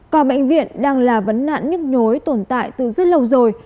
cò bệnh viện đang là vấn nạn nước nối tồn tại từ rất lâu rồi